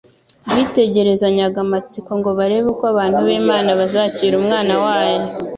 Bitegerezanyaga amatsiko ngo barebe uko abantu b'Imana bazakira Umwana wayo,